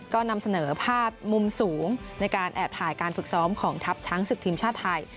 ก็นำเสนอภาพมุมสูงในการแอบถ่ายการฝึกซ้อมของทัพช้างศึกทีมชาติไทย